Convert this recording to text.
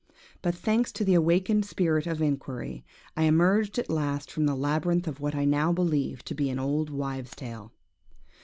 But thanks to the awakened spirit of inquiry, I emerged at last from the labyrinth of what I now believe to be an old wife's tale.